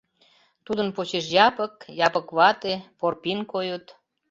Тудын почеш Япык, Япык вате, Порпин койыт.